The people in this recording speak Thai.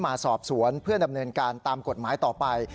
มาสอบสวนเพื่อดำเนินการตามกฎหมายต่อไป